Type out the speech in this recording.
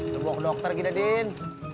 lo bawa ke dokter gida din